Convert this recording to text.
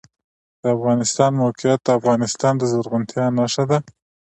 د افغانستان موقعیت د افغانستان د زرغونتیا نښه ده.